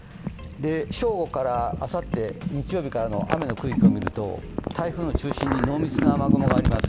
正午からあさって日曜日からの雨の区域を見ると台風の中心に濃密な雨雲があります。